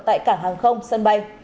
tại cảng hàng không sân bay